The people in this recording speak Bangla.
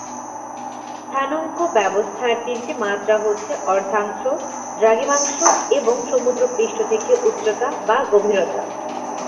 স্থানাঙ্ক ব্যবস্থার তিনটি মাত্রা হচ্ছে অক্ষাংশ, দ্রাঘিমাংশ এবং সমুদ্রপৃষ্ঠ থেকে উচ্চতা বা গভীরতা।